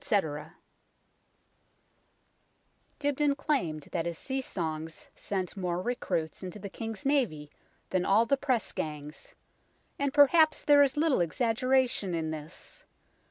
WAPPING HIGH STREET 119 Dibdin claimed that his sea songs sent more recruits into the King's Navy than all the Press Gangs, and perhaps there is little exaggeration in this.